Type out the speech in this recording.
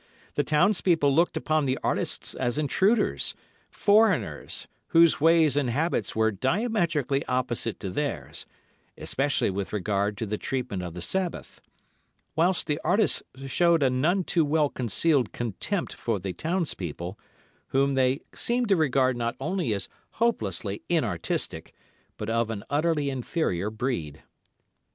The townspeople looked upon the artists as intruders, "foreigners," whose ways and habits were diametrically opposite to theirs, especially with regard to the treatment of the Sabbath; whilst the artists showed a none too well concealed contempt for the townspeople, whom they seemed to regard not only as hopelessly inartistic, but of an utterly inferior breed.